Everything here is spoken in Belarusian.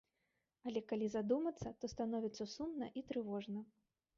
Але калі задумацца, то становіцца сумна і трывожна.